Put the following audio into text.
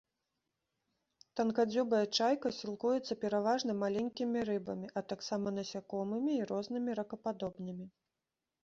Танкадзюбая чайка сілкуецца пераважна маленькімі рыбамі, а таксама насякомымі і рознымі ракападобнымі.